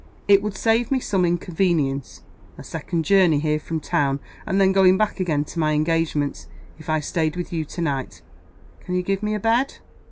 It would save me some inconvenience a second journey here from town, and then going back again to my engagements if I staid with you to night. Can you give me a bed?"